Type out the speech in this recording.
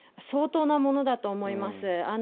相当なものだと思います。